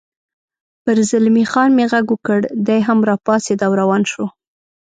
پر زلمی خان مې غږ وکړ، دی هم را پاڅېد او روان شو.